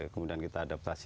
kemudian kita adaptasi